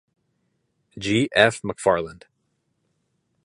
G. F. McFarland.